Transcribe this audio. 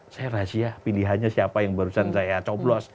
saya rahasia pilihannya siapa yang barusan saya coblos